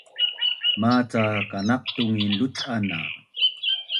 maca kanaqtungin lucan na